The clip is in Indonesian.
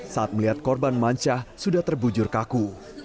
saat melihat korban mancah sudah terbujur kaku